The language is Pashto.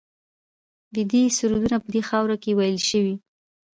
ویدي سرودونه په دې خاوره کې ویل شوي